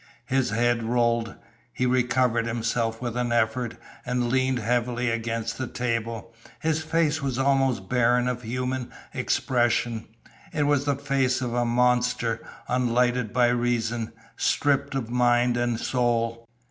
His head rolled. He recovered himself with an effort, and leaned heavily against the table. His face was almost barren of human expression. It was the face of a monster, unlighted by reason, stripped of mind and soul.